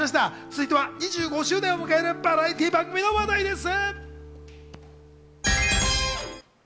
続いては２５周年を迎えるバラエティー番組の話題です。